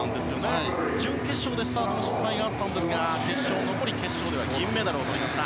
準決勝でスタートの失敗があったんですが決勝では銀メダルをとりました。